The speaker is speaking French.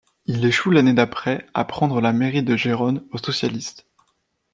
Il échoue l'année d'après à prendre la mairie de Gérone aux socialistes.